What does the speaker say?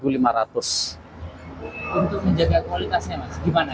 untuk menjaga kualitasnya mas gimana